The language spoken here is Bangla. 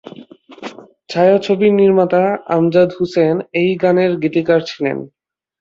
ছায়াছবির নির্মাতা আমজাদ হোসেন এই গানের গীতিকার ছিলেন।